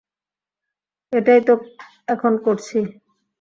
এটাইতো এখন করছি।